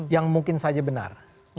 yang mungkin saja benar